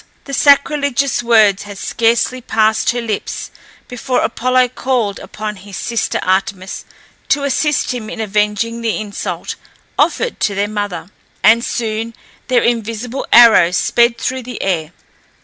The sacrilegious words had scarcely passed her lips before Apollo called upon his sister Artemis to assist him in avenging the insult offered to their mother, and soon their invisible arrows sped through the air.